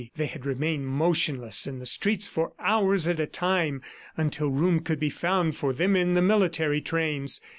They had remained motionlesss in the streets for hours at a time, until room could be found for them in the military trains.